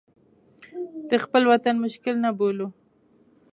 د خپل وطن مشکل نه بولو.